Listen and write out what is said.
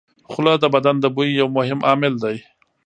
خوله د بدن د بوی یو مهم عامل دی.